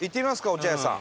お茶屋さん。